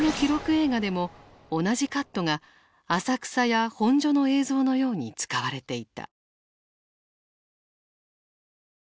映画でも同じカットが浅草や本所の映像のように使われていた。